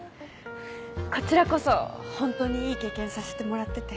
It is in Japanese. こちらこそホントにいい経験させてもらってて。